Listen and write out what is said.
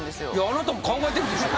あなたも考えてるでしょ。